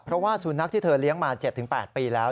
เพราะว่าสุนัขที่เธอเลี้ยงมา๗๘ปีแล้ว